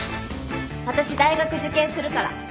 私大学受験するから。